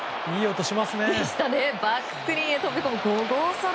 バックスクリーンに飛び込む５号ソロ。